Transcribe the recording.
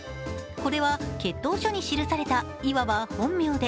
これは血統書に記されたいわば本名で